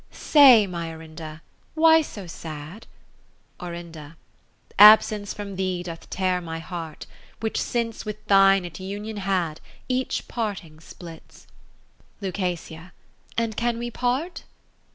Say, my Orinda, why so sad ? Orin. Absence from thee doth tear my heart ; Which, since with thine it union had. Each parting splits. Luc. And can we part